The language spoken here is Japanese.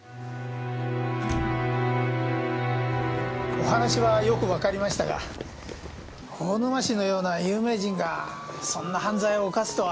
お話はよくわかりましたが大沼氏のような有名人がそんな犯罪を犯すとは。